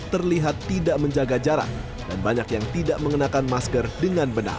terlihat tidak menjaga jarak dan banyak yang tidak mengenakan masker dengan benar